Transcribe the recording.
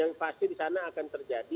yang pasti di sana akan terjadi